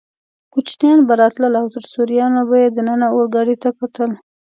کوچنیان به راتلل او تر سوریانو به یې دننه اورګاډي ته کتل.